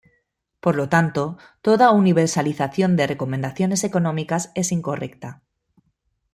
Por lo tanto, toda universalización de recomendaciones económicas es incorrecta.